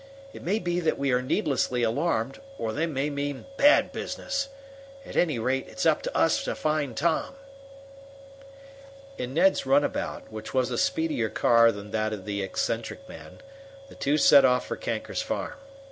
It may be that we are needlessly alarmed, or they may mean bad business. At any rate, it's up to us to find Tom." In Ned's runabout, which was a speedier car than that of the eccentric man, the two set off for Kanker's farm.